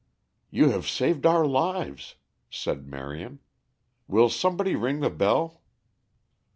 "You have saved our lives," said Marion. "Will somebody ring the bell?"